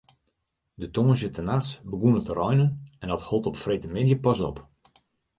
De tongersdeitenachts begûn it te reinen en dat hold op freedtemiddei pas op.